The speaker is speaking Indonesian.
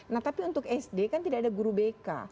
nah tapi untuk sd kan tidak ada guru bk